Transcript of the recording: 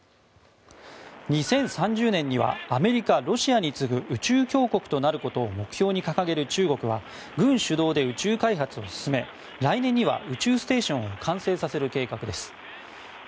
２０３０年にはアメリカ、ロシアに次ぐ宇宙強国となることを目標に掲げる中国は軍主導で宇宙開発を始め来年には宇宙ステーションを完成させる計画です。